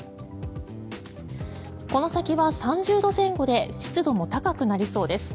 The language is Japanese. この先は３０度前後で湿度も高くなりそうです。